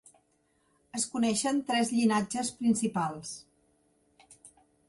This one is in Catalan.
Es coneixen tres llinatges principals.